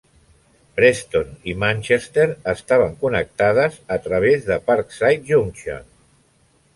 Preston i Manchester estaven connectades a través de Parkside Junction.